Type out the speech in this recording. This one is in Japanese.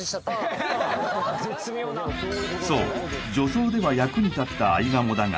そう除草では役に立った合鴨だが